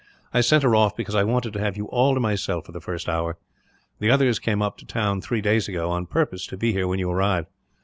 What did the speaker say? I sent her off, because I wanted to have you all to myself, for the first hour. The others came up to town, three days ago, on purpose to be here when you arrived.